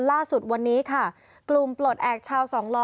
ล่าสุดวันนี้ค่ะกลุ่มปลดแอบชาวสองล้อ